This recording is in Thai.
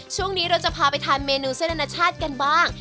ช่วงนี้เราจะพาไปทานเมนูเส้นอนาชาติกันบ้าง